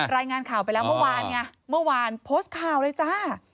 รายงานข่าวไปแล้วเมื่อวานไงเมื่อวานโพสต์ข่าวเลยจ้า